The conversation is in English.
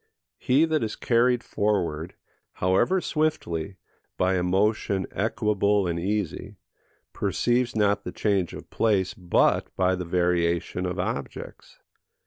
He that is carried forward, however swiftly, by a motion equable and easy, perceives not the change of place but by the variation of objects.